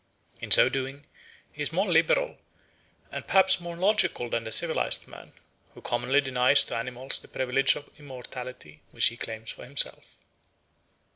In so doing he is more liberal and perhaps more logical than the civilised man, who commonly denies to animals that privilege of immortality which he claims for himself.